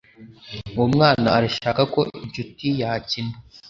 Uwo mwana arashaka ko inshuti yakina